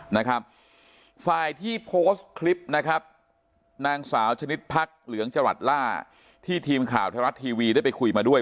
นะครับฝ่ายที่โพสต์คลิปนะครับนางสาวชนิดพักเหลืองจรัสล่าที่ทีมข่าวไทยรัฐทีวีได้ไปคุยมาด้วย